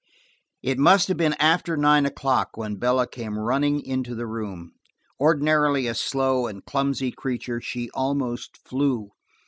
It must have been after nine o'clock when Bella came running into the room. Ordinarily a slow and clumsy creature, she almost flew.